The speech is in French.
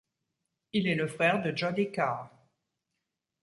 Il est le frère de Jody Carr.